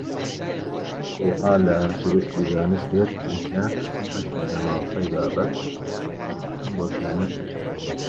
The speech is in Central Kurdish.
پیرەمێردێکی و بەڕۆژوو نیت